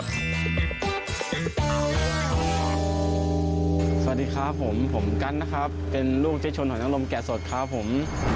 สวัสดีครับผมผมกันนะครับเป็นลูกเจ๊ชนหอยนังลมแกะสดครับผม